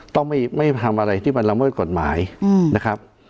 ต้องไม่ไม่ทำอะไรที่ประลำวดกฎหมายอืมนะครับ